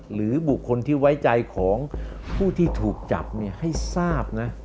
หรือบุคคลที่ไว้ใจของผู้ที่ถูกจับให้ทราบนะ